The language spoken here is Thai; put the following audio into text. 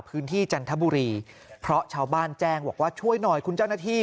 จันทบุรีเพราะชาวบ้านแจ้งบอกว่าช่วยหน่อยคุณเจ้าหน้าที่